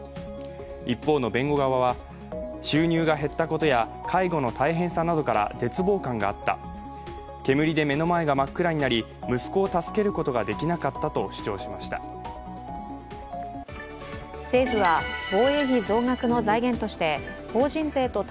一方の弁護側は、収入が減ったことや介護の大変さなどから絶望感があった、煙で目の前が真っ暗になり、息子を助けることができなかったと主張しました。